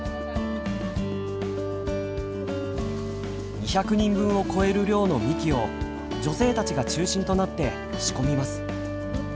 ２００人分を超える量のみきを女性たちが中心となって仕込みます。